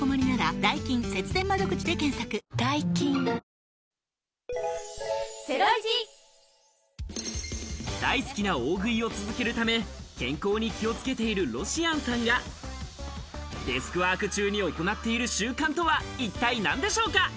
その後は自宅へ戻り、大好きな大食いを続けるため、健康に気をつけているロシアンさんがデスクワーク中に行っている習慣とは一体何でしょうか？